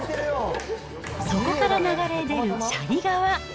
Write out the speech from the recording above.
そこから流れ出る斜里川。